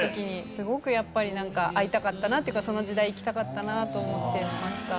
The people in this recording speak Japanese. すごくやっぱりなんか会いたかったなというかその時代生きたかったなと思ってました。